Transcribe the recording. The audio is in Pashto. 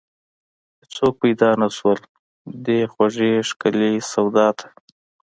هیڅوک پیدا نشول، دې خوږې ښکلې سودا ته